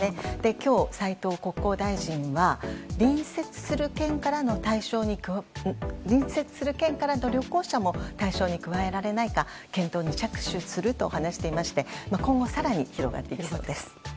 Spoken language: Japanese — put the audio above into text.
今日、斉藤国交大臣は隣接する県からの旅行者も対象に加えられないか検討に着手すると話していて今後、更に広がっていきそうです。